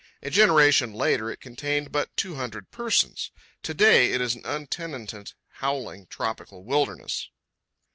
A generation later, it contained but two hundred persons. To day it is an untenanted, howling, tropical wilderness.